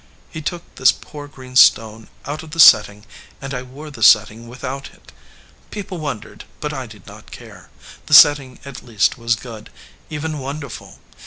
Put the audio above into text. He took this poor green stone out of the setting, and I wore the setting without it. People wondered, but I did not care. The setting at least was good, even wonderful.